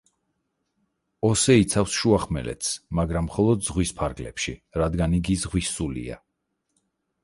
ოსე იცავს შუახმელეთს, მაგრამ მხოლოდ ზღვის ფარგლებში, რადგან იგი ზღვის სულია.